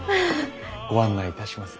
ご案内いたします。